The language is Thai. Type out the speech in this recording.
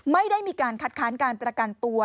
ไม่ได้มีการคัดค้านการประกันตัว